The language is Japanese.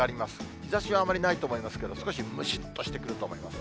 日ざしはあまりないと思いますけど、少しむしっとしてくると思います。